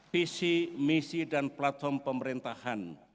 visi misi dan platform pemerintahan